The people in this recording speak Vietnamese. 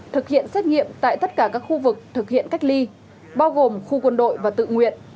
thực hiện xét nghiệm tại tất cả các khu vực thực hiện cách ly bao gồm khu quân đội và tự nguyện